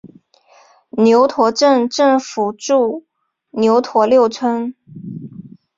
牛驼镇镇政府驻牛驼六村。